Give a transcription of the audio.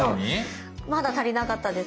まだ足りなかったです。